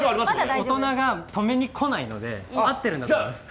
大人が止めに来ないので合ってると思います。